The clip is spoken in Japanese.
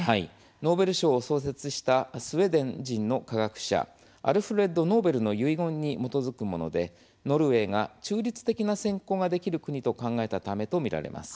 ノーベル賞を創設したスウェーデンの科学者アルフレッド・ノーベルの遺言に基づくものでノルウェーが中立的な選考ができる国と考えたためとみられます。